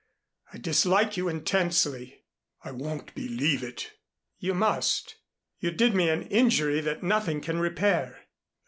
I dislike you intensely." "I won't believe it." "You must. You did me an injury that nothing can repair."